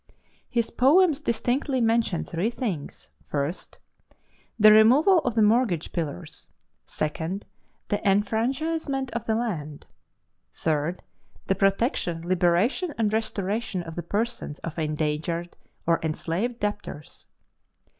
His poems distinctly mention three things: 1. The removal of the mortgage pillars. 2. The enfranchisement of the land. 3. The protection, liberation, and restoration of the persons of endangered or enslaved debtors.